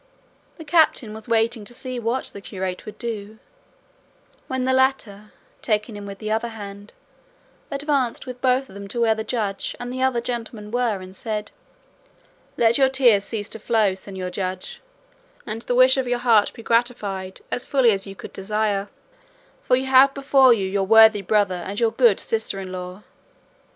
The captain was waiting to see what the curate would do, when the latter, taking him with the other hand, advanced with both of them to where the Judge and the other gentlemen were and said, "Let your tears cease to flow, Señor Judge, and the wish of your heart be gratified as fully as you could desire, for you have before you your worthy brother and your good sister in law.